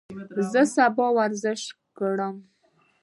زه به سبا ورزش وکړم.